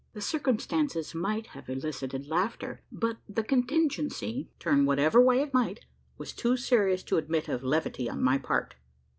The circumstances might have elicited laughter; but the contingency, turn whatever way it might, was too serious to admit of levity on my part.